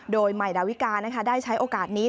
โดยใหม่ดาวิกาได้ใช้โอกาสนี้